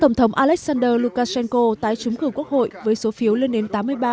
tổng thống alexander lukashenko tái trúng cử quốc hội với số phiếu lên đến tám mươi ba bốn mươi chín